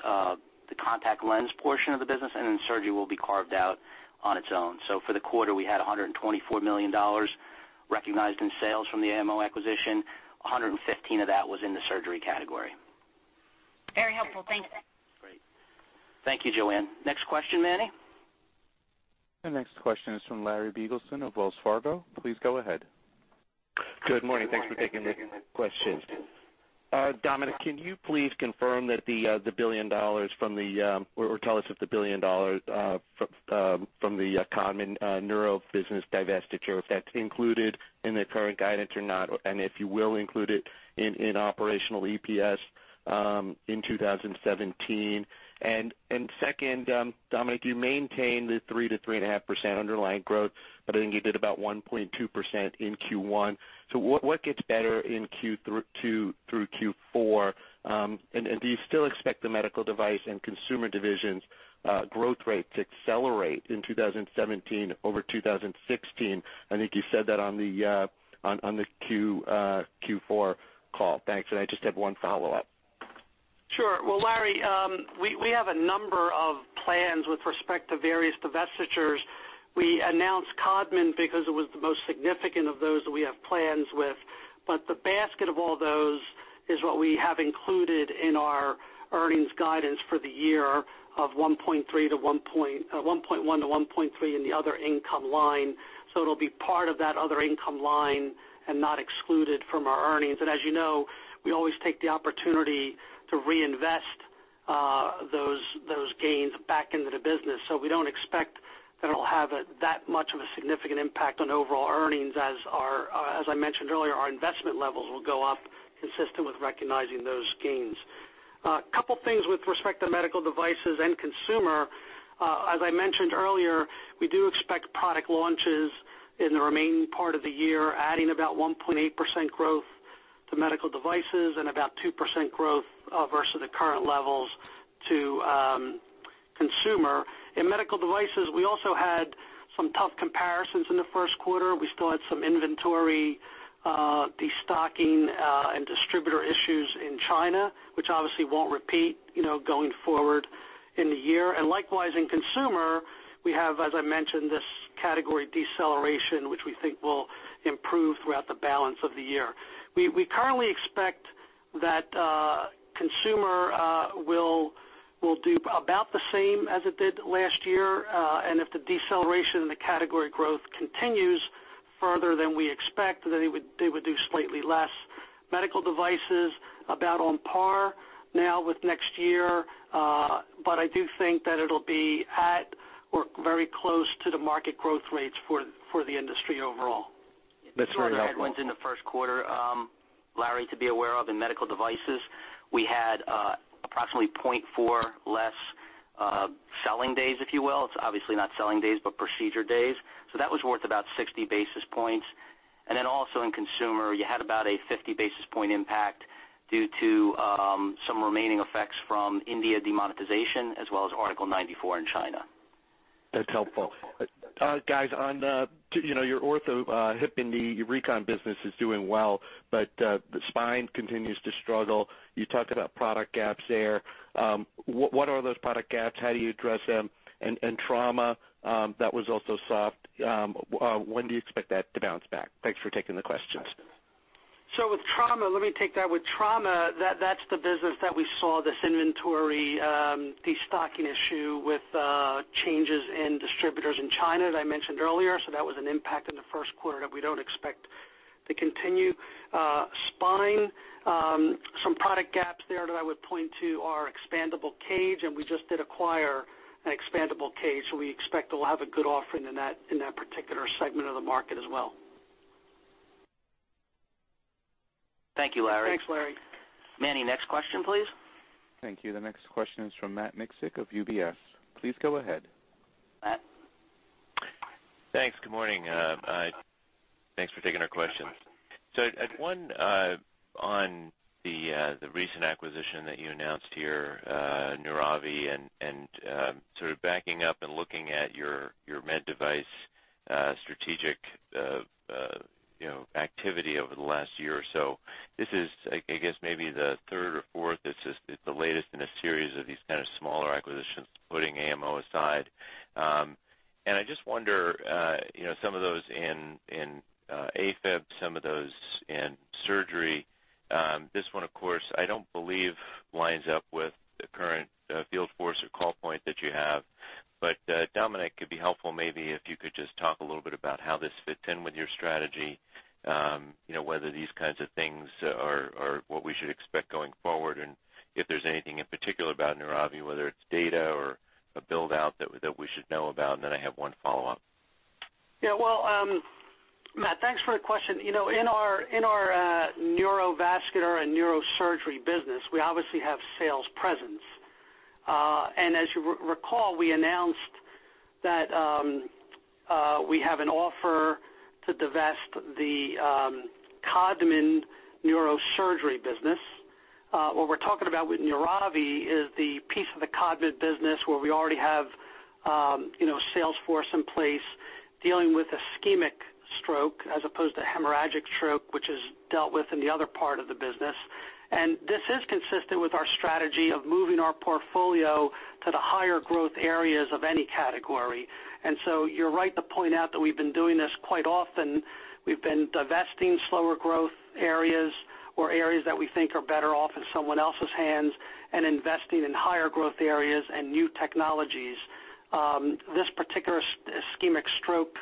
contact lens portion of the business, and then surgery will be carved out on its own. For the quarter, we had $124 million recognized in sales from the AMO acquisition, $115 million of that was in the surgery category. Very helpful. Thank you. Great. Thank you, Joanne. Next question, Manny. The next question is from Larry Biegelsen of Wells Fargo. Please go ahead. Good morning. Thanks for taking the questions. Dominic, can you please confirm that the $1 billion from the, or tell us if the $1 billion from the Codman neuro business divestiture, if that's included in the current guidance or not, and if you will include it in operational EPS in 2017? Second, Dominic, you maintain the 3%-3.5% underlying growth, but I think you did about 1.2% in Q1. What gets better in Q2 through Q4? Do you still expect the medical device and consumer divisions growth rate to accelerate in 2017 over 2016? I think you said that on the Q4 call. Thanks. I just have one follow-up. Sure. Well, Larry, we have a number of plans with respect to various divestitures. We announced Codman because it was the most significant of those that we have plans with. The basket of all those is what we have included in our earnings guidance for the year of $1.1-$1.3 in the other income line. It'll be part of that other income line and not excluded from our earnings. As you know, we always take the opportunity to reinvest those gains back into the business. We don't expect that it'll have that much of a significant impact on overall earnings as I mentioned earlier, our investment levels will go up consistent with recognizing those gains. A couple things with respect to medical devices and consumer. As I mentioned earlier, we do expect product launches in the remaining part of the year, adding about 1.8% growth to medical devices and about 2% growth versus the current levels to consumer. In medical devices, we also had some tough comparisons in the first quarter. We still had some inventory destocking and distributor issues in China, which obviously won't repeat going forward in the year. Likewise, in consumer, we have, as I mentioned, this category deceleration, which we think will improve throughout the balance of the year. We currently expect that consumer will do about the same as it did last year. If the deceleration in the category growth continues further than we expect, then they would do slightly less. Medical devices, about on par now with next year, but I do think that it'll be at or very close to the market growth rates for the industry overall. That's very helpful. Two other headwinds in the first quarter, Larry, to be aware of in medical devices. We had approximately 0.4 less selling days, if you will. It's obviously not selling days, but procedure days. That was worth about 60 basis points. Also in consumer, you had about a 50 basis point impact due to some remaining effects from India demonetization, as well as Article 94 in China. That's helpful. Guys, your ortho hip and knee recon business is doing well. The spine continues to struggle. You talked about product gaps there. What are those product gaps? How do you address them? Trauma, that was also soft. When do you expect that to bounce back? Thanks for taking the questions. With trauma, let me take that. With trauma, that's the business that we saw this inventory destocking issue with changes in distributors in China, as I mentioned earlier. That was an impact in the first quarter that we don't expect to continue. Spine, some product gaps there that I would point to are expandable cage, and we just did acquire an expandable cage, so we expect it'll have a good offering in that particular segment of the market as well. Thank you, Larry. Thanks, Larry. Manny, next question, please. Thank you. The next question is from Matt Miksic of UBS. Please go ahead. Matt. Thanks. Good morning. Thanks for taking our question. One on the recent acquisition that you announced here, Neuravi, and sort of backing up and looking at your med device strategic activity over the last year or so. This is, I guess, maybe the third or fourth. It's the latest in a series of these kind of smaller acquisitions, putting AMO aside. I just wonder, some of those in AFib, some of those in surgery. This one, of course, I don't believe winds up with the current field force or call point that you have, but Dominic, it'd be helpful maybe if you could just talk a little bit about how this fits in with your strategy, whether these kinds of things are what we should expect going forward, and if there's anything in particular about Neuravi, whether it's data or a build-out that we should know about. I have one follow-up. Well, Matt, thanks for the question. In our neurovascular and neurosurgery business, we obviously have sales presence. As you recall, we announced that we have an offer to divest the Codman neurosurgery business. What we're talking about with Neuravi is the piece of the Codman business where we already have a sales force in place dealing with ischemic stroke as opposed to hemorrhagic stroke, which is dealt with in the other part of the business. This is consistent with our strategy of moving our portfolio to the higher growth areas of any category. You're right to point out that we've been doing this quite often. We've been divesting slower growth areas or areas that we think are better off in someone else's hands and investing in higher growth areas and new technologies. This particular ischemic stroke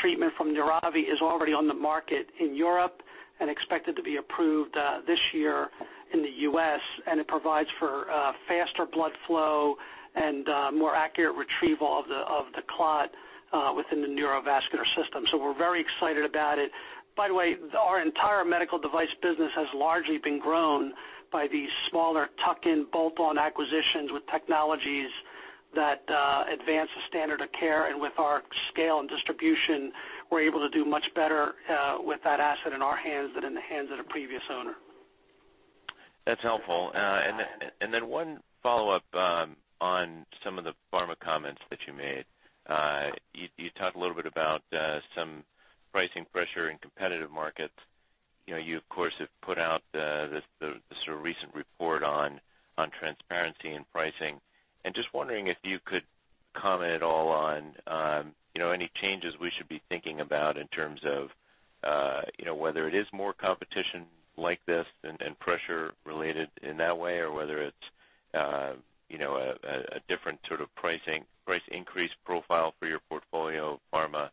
treatment from Neuravi is already on the market in Europe and expected to be approved this year in the U.S. It provides for faster blood flow and more accurate retrieval of the clot within the neurovascular system. We're very excited about it. By the way, our entire medical device business has largely been grown by these smaller tuck-in, bolt-on acquisitions with technologies that advance the standard of care. With our scale and distribution, we're able to do much better with that asset in our hands than in the hands of the previous owner. That's helpful. Then one follow-up on some of the pharma comments that you made. You talked a little bit about some pricing pressure in competitive markets. You of course have put out the sort of recent report on transparency in pricing. Just wondering if you could comment at all on any changes we should be thinking about in terms of whether it is more competition like this and pressure related in that way, or whether it's a different sort of price increase profile for your portfolio pharma.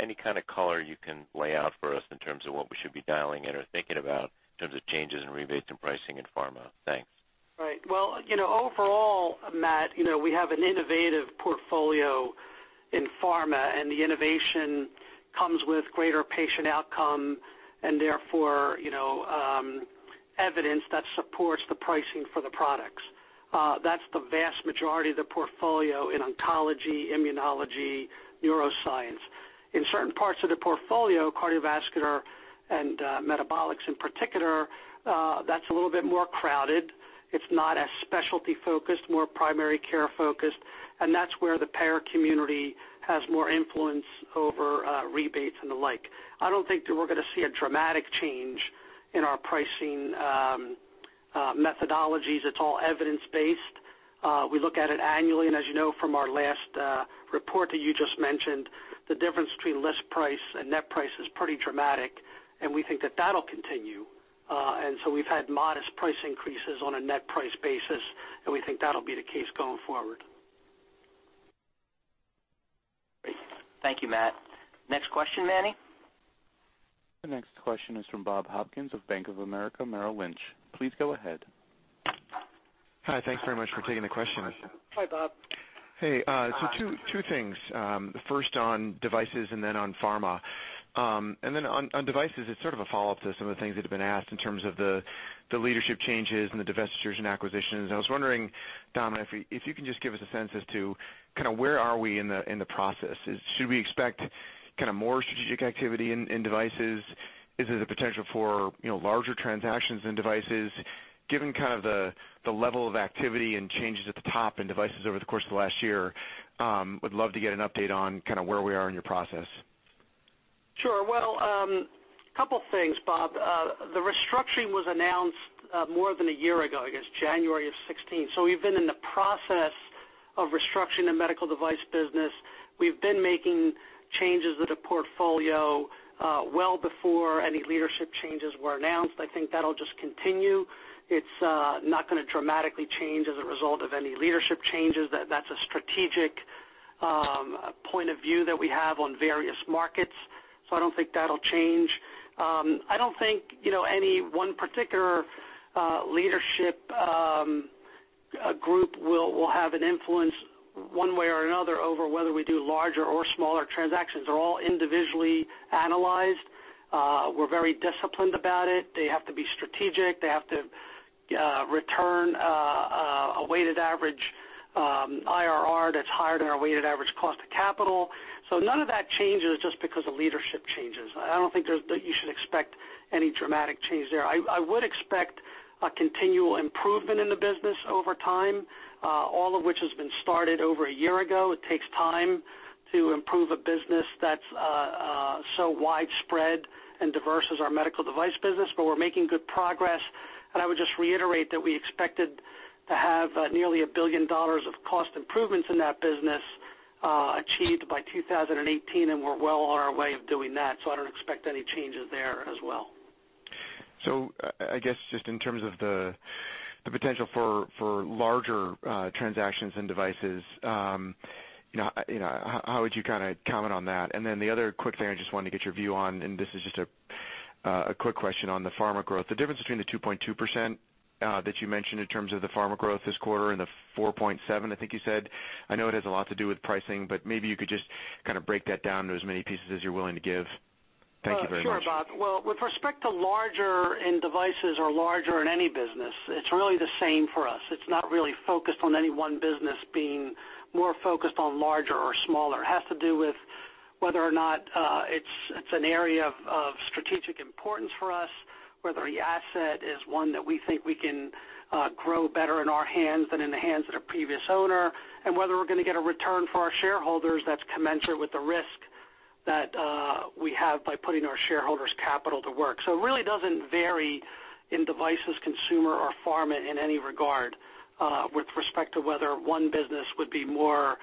Any kind of color you can lay out for us in terms of what we should be dialing in or thinking about in terms of changes in rebates and pricing in pharma? Thanks. Right. Well, overall, Matt, we have an innovative portfolio in pharma. The innovation comes with greater patient outcome and therefore evidence that supports the pricing for the products. That's the vast majority of the portfolio in oncology, immunology, neuroscience. In certain parts of the portfolio, cardiovascular and metabolics in particular, that's a little bit more crowded. It's not as specialty focused, more primary care focused. That's where the payer community has more influence over rebates and the like. I don't think that we're going to see a dramatic change in our pricing methodologies. It's all evidence-based. We look at it annually. As you know from our last report that you just mentioned, the difference between list price and net price is pretty dramatic. We think that that'll continue. We've had modest price increases on a net price basis. We think that'll be the case going forward. Great. Thank you, Matt. Next question, Manny? The next question is from Bob Hopkins of Bank of America Merrill Lynch. Please go ahead. Hi. Thanks very much for taking the question. Hi, Bob. Hey. Two things. First on devices and then on pharma. On devices, it's sort of a follow-up to some of the things that have been asked in terms of the leadership changes and the divestitures and acquisitions, and I was wondering, Dominic, if you can just give us a sense as to where are we in the process? Should we expect more strategic activity in devices? Is there the potential for larger transactions in devices? Given the level of activity and changes at the top in devices over the course of the last year, would love to get an update on where we are in your process. Sure. Well, couple things, Bob. The restructuring was announced more than a year ago, I guess January of 2016. We've been in the process of restructuring the medical device business. We've been making changes to the portfolio well before any leadership changes were announced. I think that'll just continue. It's not going to dramatically change as a result of any leadership changes. That's a strategic point of view that we have on various markets. I don't think that'll change. I don't think any one particular leadership group will have an influence one way or another over whether we do larger or smaller transactions. They're all individually analyzed. We're very disciplined about it. They have to be strategic. They have to return a weighted average IRR that's higher than our weighted average cost of capital. None of that changes just because of leadership changes. I don't think that you should expect any dramatic change there. I would expect a continual improvement in the business over time, all of which has been started over a year ago. It takes time to improve a business that's so widespread and diverse as our medical device business. We're making good progress. I would just reiterate that we expected to have nearly $1 billion of cost improvements in that business achieved by 2018, and we're well on our way of doing that. I don't expect any changes there as well. I guess just in terms of the potential for larger transactions in devices, how would you comment on that? The other quick thing I just wanted to get your view on, and this is just a quick question on the pharma growth. The difference between the 2.2% that you mentioned in terms of the pharma growth this quarter and the 4.7%, I think you said, I know it has a lot to do with pricing. Maybe you could just break that down into as many pieces as you're willing to give. Thank you very much. Sure, Bob. Well, with respect to larger in devices or larger in any business, it's really the same for us. It's not really focused on any one business being more focused on larger or smaller. It has to do with whether or not it's an area of strategic importance for us, whether the asset is one that we think we can grow better in our hands than in the hands of a previous owner, and whether we're going to get a return for our shareholders that's commensurate with the risk that we have by putting our shareholders' capital to work. It really doesn't vary in devices, consumer, or pharma in any regard with respect to whether one business would be more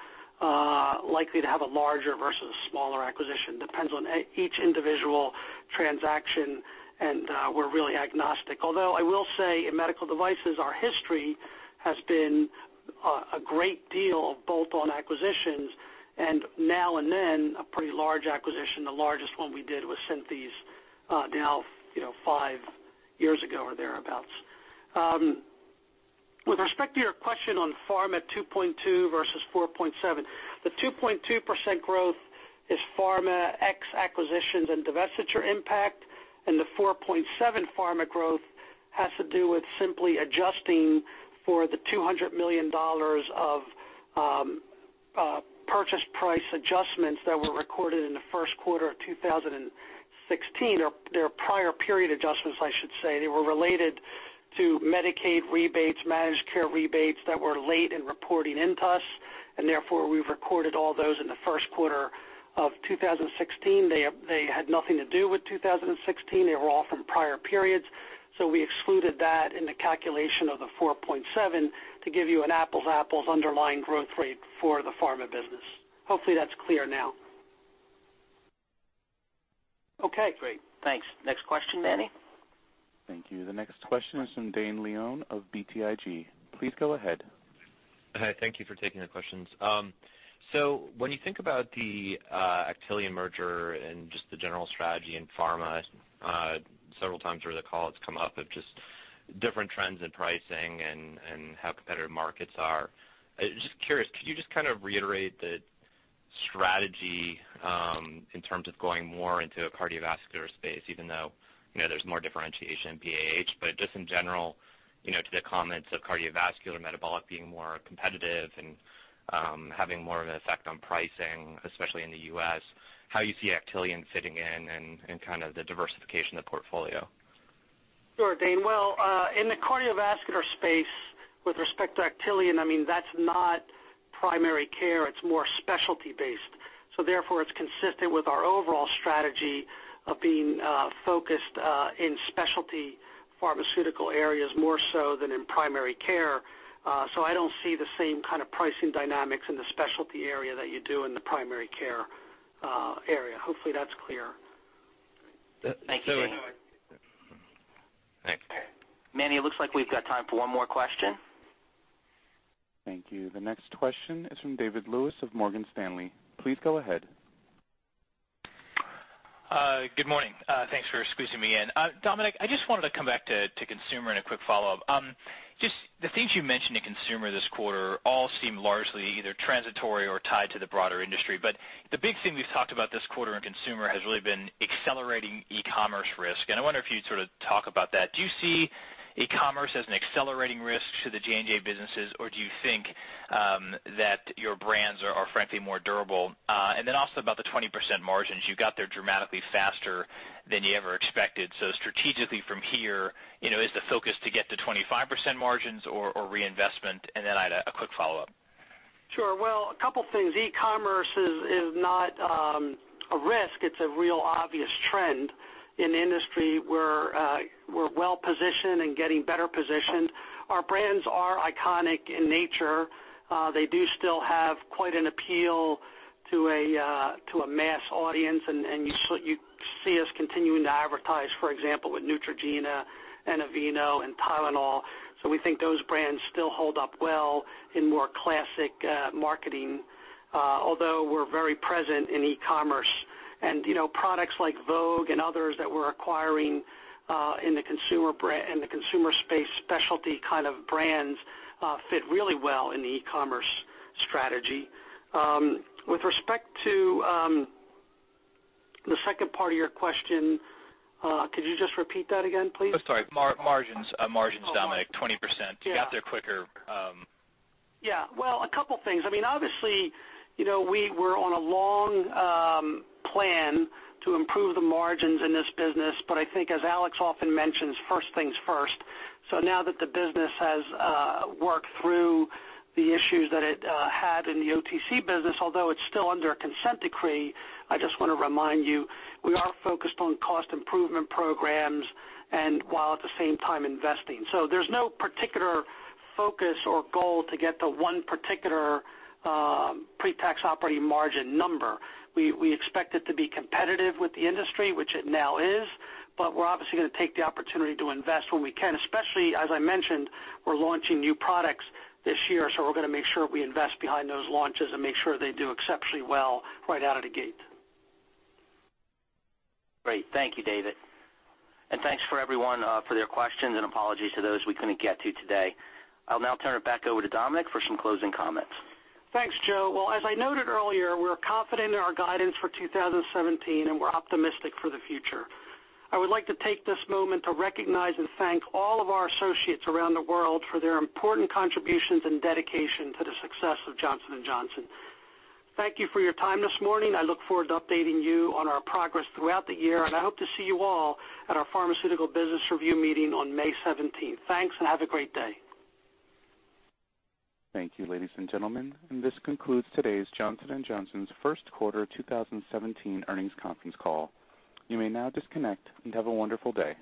likely to have a larger versus smaller acquisition. Depends on each individual transaction, and we're really agnostic. I will say in medical devices, our history has been a great deal of bolt-on acquisitions and now and then a pretty large acquisition. The largest one we did was Synthes now five years ago or thereabouts. With respect to your question on pharma 2.2 versus 4.7, the 2.2% growth is pharma ex acquisitions and divestiture impact, and the 4.7 pharma growth has to do with simply adjusting for the $200 million of purchase price adjustments that were recorded in the first quarter of 2016. They're prior period adjustments, I should say. They were related to Medicaid rebates, managed care rebates that were late in reporting into us, and therefore, we've recorded all those in the first quarter of 2016. They had nothing to do with 2016. They were all from prior periods. We excluded that in the calculation of the 4.7 to give you an apples to apples underlying growth rate for the pharma business. Hopefully that's clear now. Okay. Great. Thanks. Next question, Manny. Thank you. The next question is from Dane Leone of BTIG. Please go ahead. Hi. Thank you for taking the questions. When you think about the Actelion merger and just the general strategy in pharma, several times through the call it's come up of just different trends in pricing and how competitive markets are. Just curious, could you just reiterate the strategy in terms of going more into a cardiovascular space, even though there's more differentiation in PAH. Just in general, to the comments of cardiovascular, metabolic being more competitive and having more of an effect on pricing, especially in the U.S., how you see Actelion fitting in and kind of the diversification of the portfolio. Sure, Dane. In the cardiovascular space with respect to Actelion, that's not primary care. It's more specialty based. Therefore it's consistent with our overall strategy of being focused in specialty pharmaceutical areas more so than in primary care. I don't see the same kind of pricing dynamics in the specialty area that you do in the primary care area. Hopefully that's clear. Thank you. Manny, it looks like we've got time for one more question. Thank you. The next question is from David Lewis of Morgan Stanley. Please go ahead. Good morning. Thanks for squeezing me in. Dominic, I just wanted to come back to consumer and a quick follow-up. The things you mentioned in consumer this quarter all seem largely either transitory or tied to the broader industry. The big thing we've talked about this quarter in consumer has really been accelerating e-commerce risk, and I wonder if you'd sort of talk about that. Do you see e-commerce as an accelerating risk to the J&J businesses, or do you think that your brands are frankly more durable? Also about the 20% margins, you got there dramatically faster than you ever expected. Strategically from here, is the focus to get to 25% margins or reinvestment? I had a quick follow-up. Sure. Well, a couple things. E-commerce is not a risk. It's a real obvious trend in the industry. We're well-positioned and getting better positioned. Our brands are iconic in nature. They do still have quite an appeal to a mass audience, and you see us continuing to advertise, for example, with Neutrogena and Aveeno and Tylenol. We think those brands still hold up well in more classic marketing although we're very present in e-commerce. Products like Vogue and others that we're acquiring in the consumer space, specialty kind of brands fit really well in the e-commerce strategy. With respect to the second part of your question, could you just repeat that again, please? Sorry. Margins, Dominic, 20%. You got there quicker. Yeah. Well, a couple things. Obviously, we were on a long plan to improve the margins in this business. I think as Alex often mentions, first things first. Now that the business has worked through the issues that it had in the OTC business, although it's still under a consent decree, I just want to remind you, we are focused on cost improvement programs and while at the same time investing. There's no particular focus or goal to get to one particular pre-tax operating margin number. We expect it to be competitive with the industry, which it now is, we're obviously going to take the opportunity to invest when we can, especially, as I mentioned, we're launching new products this year, we're going to make sure we invest behind those launches and make sure they do exceptionally well right out of the gate. Great. Thank you, David. Thanks for everyone for their questions and apologies to those we couldn't get to today. I'll now turn it back over to Dominic for some closing comments. Thanks, Joe. Well, as I noted earlier, we're confident in our guidance for 2017, we're optimistic for the future. I would like to take this moment to recognize and thank all of our associates around the world for their important contributions and dedication to the success of Johnson & Johnson. Thank you for your time this morning. I look forward to updating you on our progress throughout the year, I hope to see you all at our pharmaceutical business review meeting on May 17th. Thanks, have a great day. Thank you, ladies and gentlemen, this concludes today's Johnson & Johnson's first quarter 2017 earnings conference call. You may now disconnect, have a wonderful day.